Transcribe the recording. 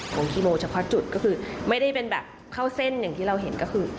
คีโมเฉพาะจุดก็คือไม่ได้เป็นแบบเข้าเส้นอย่างที่เราเห็นก็คือ